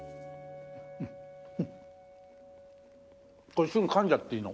これすぐかんじゃっていいの？